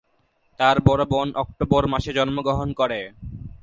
তার বড় বোন অক্টোবর মাসে জন্মগ্রহণ করে।